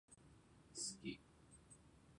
好き